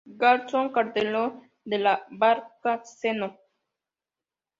Garzón, Calderón de la Barca, Cno.